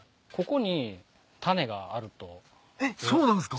そうなんですか？